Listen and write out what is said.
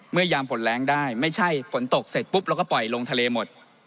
ยามฝนแรงได้ไม่ใช่ฝนตกเสร็จปุ๊บเราก็ปล่อยลงทะเลหมด